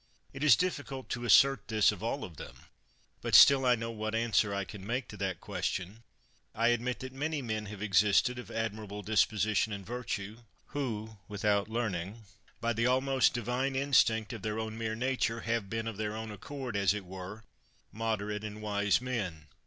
It is difficult to assert this of all of them ; but still I know what answer I can make to that question : I admit that many men have existed of admirable disposition and virtue, who, without learning, by the almost divine instinct of their own mere nature, have been, of their own accord, as it were, moderate and wise men.